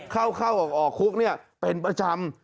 เข้าออกคุกเป็นประจำ